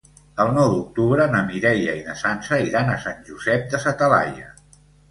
El nou d'octubre na Mireia i na Sança iran a Sant Josep de sa Talaia.